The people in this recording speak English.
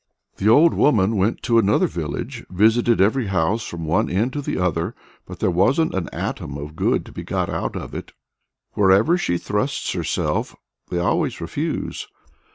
The old woman went to another village, visited every house from one end to the other, but there wasn't an atom of good to be got out of it. Wherever she thrusts herself, they always refuse.